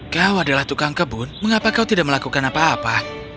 kau adalah tukang kebun mengapa kau tidak melakukan apa apa